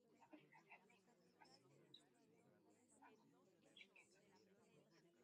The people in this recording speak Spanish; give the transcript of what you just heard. La variedad de ambientes hace que la zona tenga una elevada riqueza faunística.